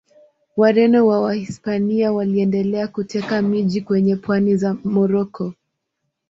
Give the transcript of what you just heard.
Wareno wa Wahispania waliendelea kuteka miji kwenye pwani za Moroko.